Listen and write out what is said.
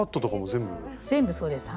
全部そうです。